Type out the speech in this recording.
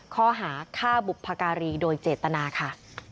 ข้อหาฆ่าบุพการีโดยเจตนาค่ะ